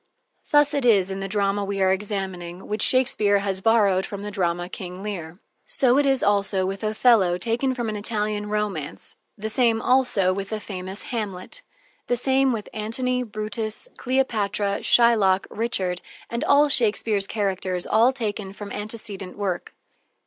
Thus it is in the drama we are examining, which Shakespeare has borrowed from the drama "King Leir." So it is also with Othello, taken from an Italian romance, the same also with the famous Hamlet. The same with Antony, Brutus, Cleopatra, Shylock, Richard, and all Shakespeare's characters, all taken from some antecedent work.